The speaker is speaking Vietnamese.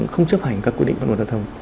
không chấp hành các quy định văn hóa giao thông